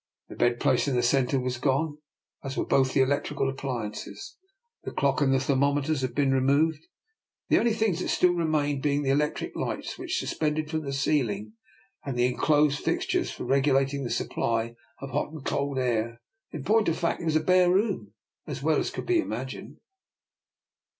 The bedplace in the centre was gone, as were both the electrical appliances. The DR. NIKOLA'S EXPERIMENT. 265 clock and the thermometers had been re moved, the only things that still remained being the electric lights which suspended from the ceiling, and the enclosed fixtures for regu lating the supply of hot and cold air. In point of fact, it was as bare a room as well could be imagined.